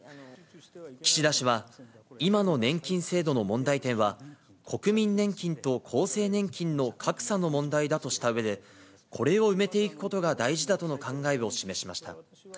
岸田氏は、今の年金制度の問題点は、国民年金と厚生年金の格差の問題だとしたうえで、これを埋めていくことが大事だとの考えを示しました。